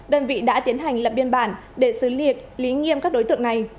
đơn vị đã tiến hành lập biên bản để xứ liệt lý nghiêm khách